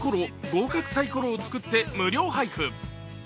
ーかくサイコロを作って無料配布。